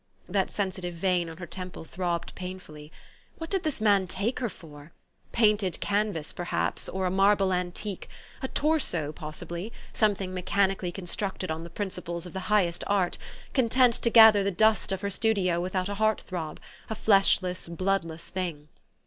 That sensitive vein on her temple throbbed painfully. What did this man take her for? Painted canvas, perhaps ; or a marble antique ; a torso, possibly ; something mechanically constructed on the principles of the highest art, content to gather the dust of her studio without a heart throb ; a fleshless, bloodless thing.